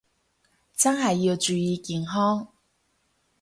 真係要注意健康